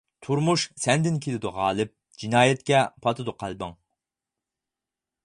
تۇرمۇش سەندىن كېلىدۇ غالىپ، جىنايەتكە پاتىدۇ قەلبىڭ.